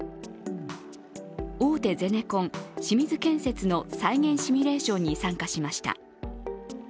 大手ゼネコン・清水建設の再現シミュレーションに参加しました。